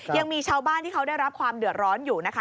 ยังมีชาวบ้านที่เขาได้รับความเดือดร้อนอยู่นะคะ